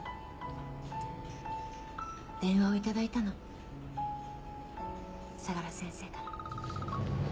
電話を頂いたの相良先生から。